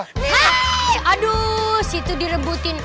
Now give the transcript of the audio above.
hah aduh situ direbutin